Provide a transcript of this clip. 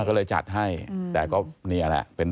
ก็เลยจัดให้